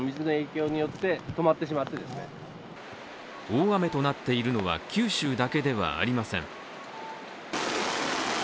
大雨となっているのは九州だけではありません。